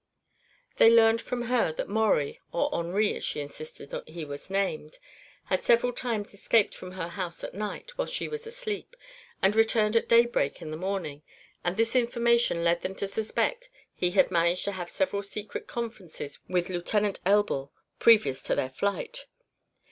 They learned from her that Maurie or Henri, as she insisted he was named had several times escaped from her house at night, while she was asleep, and returned at daybreak in the morning, and this information led them to suspect he had managed to have several secret conferences with Lieutenant Elbl previous to their flight.